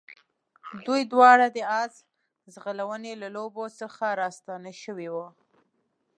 دوی دواړه د آس ځغلونې له لوبو څخه راستانه شوي وو.